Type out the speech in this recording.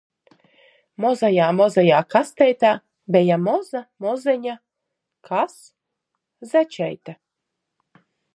Mozajā mozajā kasteitē beja moza, mozeņa... Kas? Zečeite!